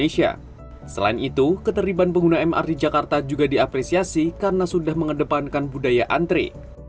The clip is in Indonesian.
selain itu keterlibatan pengguna mrt jakarta juga diapresiasi karena sudah mengedepankan budaya antri